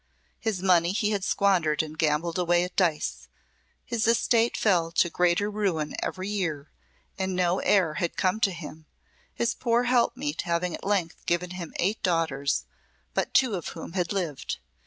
His money he had squandered and gambled away at dice, his estate fell to greater ruin every year, and no heir had come to him, his poor helpmeet having at length given him eight daughters, but two of whom had lived.